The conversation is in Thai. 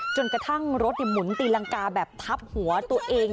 จนกระทั่งรถหมุนตีรังกาแบบทับหัวตัวเอง